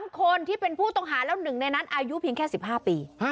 คนที่เป็นผู้ต้องหาแล้ว๑ในนั้นอายุเพียงแค่๑๕ปี